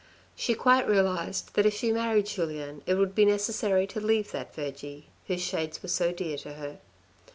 She quite realised that if she married Julien, it would be necessary to leave that Vergy, whose shades were so dear to her.